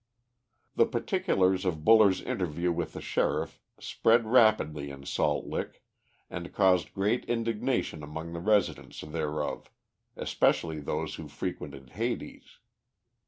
The particulars of Buller's interview with the Sheriff spread rapidly in Salt Lick, and caused great indignation among the residents thereof, especially those who frequented Hades.